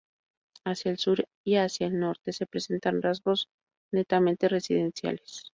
Hacia el sur y hacia el norte se presentan rasgos netamente residenciales.